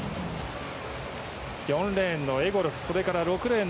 ４レーンのエゴロフそして６レーン